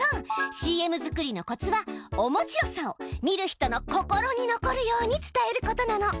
ＣＭづくりのコツはおもしろさを見る人の心に残るように伝えることなの。